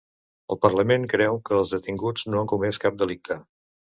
El parlament creu que els detinguts no han comès cap delicte